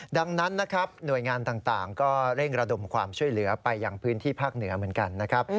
ดังนั้นนะครับหน่วยงานต่างก็เร่งระดมความช่วยเหลือไปอย่างพื้นที่ภาคเหนือเหมือนกันนะครับ